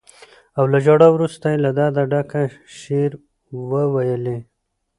او له ژړا وروسته یې له درده ډک شعر وويلې.